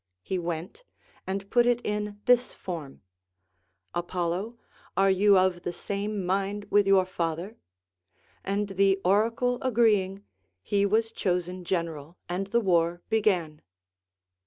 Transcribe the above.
He went, and put it in this form : Apollo, are you of the same mind with your father ] And the oracle agreeing, he was chosen general and the war began.